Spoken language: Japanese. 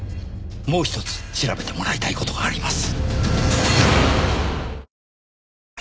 もうひとつ調べてもらいたい事があります。